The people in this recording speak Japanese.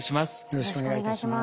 よろしくお願いします。